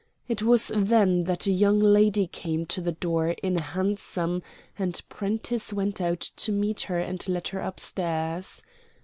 It was then that a young lady came to the door in a hansom, and Prentiss went out to meet her and led her upstairs.